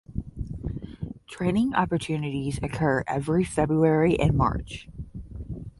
Training opportunities occur every February and March.